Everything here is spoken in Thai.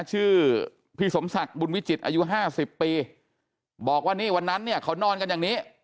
ชื่อพี่สมศักดิ์บุญวิจิตรอายุ๕๐ปีบอกว่าวันนั้นเขานอนกันอย่างนี้